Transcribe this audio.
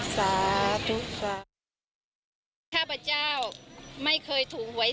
สาโชค